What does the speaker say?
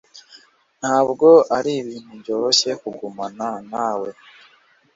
Ntabwo ari ibintu byoroshye gukomeza kugumana na we.